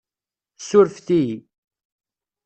Ssurefet-iyi.